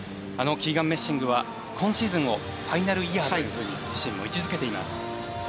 キーガン・メッシングは今シーズンをファイナルイヤーと位置づけています。